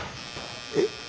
えっ？